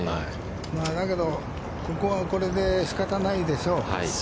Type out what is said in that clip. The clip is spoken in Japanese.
だけど、ここはこれで仕方ないでしょう。